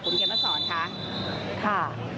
คุณเฮียมักษรค่ะค่ะ